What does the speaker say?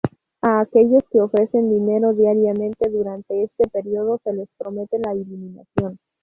A aquellos que ofrecen dinero diariamente durante este periodo se les promete la iluminación.